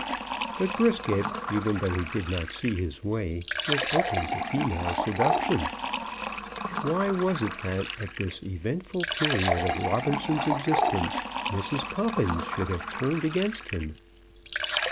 But Brisket, even though he did not see his way, was open to female seduction. Why was it, that at this eventful period of Robinson's existence Mrs. Poppins should have turned against him?